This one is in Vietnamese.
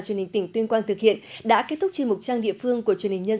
truyền hình tỉnh tuyên quang thực hiện đã kết thúc chuyên mục trang địa phương của truyền hình nhân